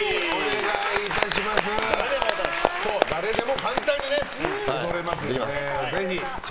誰でも簡単に踊りますので。